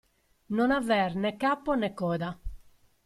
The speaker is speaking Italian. Non aver né capo né coda.